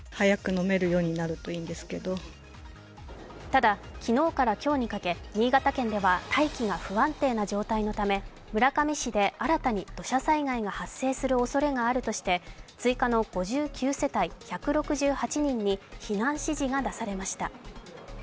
ただ、昨日から今日にかけ新潟県では大気が不安定な状態のため村上市で、新たに土砂災害が発生するおそれがあるとして追加の５９世帯１６８人に避難指示が出されました。